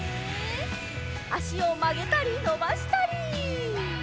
あしをまげたりのばしたり！